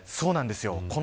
そうなんですよ。